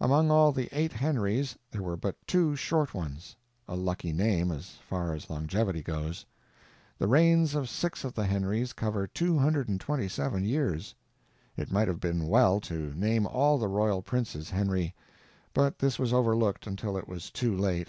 Among all the eight Henrys there were but two short ones. A lucky name, as far as longevity goes. The reigns of six of the Henrys cover 227 years. It might have been well to name all the royal princes Henry, but this was overlooked until it was too late.